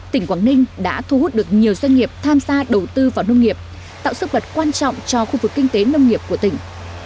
tỉnh quảng ninh đã thu hút được nhiều doanh nghiệp tham gia đầu tư vào nông nghiệp tạo sức bật quan trọng cho khu vực kinh tế nông nghiệp của tỉnh